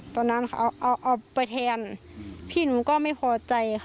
ตอนนั้นเขาเอาไปแทนพี่หนูก็ไม่พอใจค่ะ